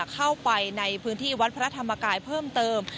เข้าไปในพื้นที่วัดพระธรรมกายเพิ่มเติม